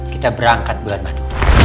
kita berangkat bulan madu